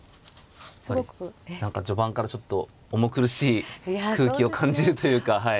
何か序盤からちょっと重苦しい空気を感じるというか。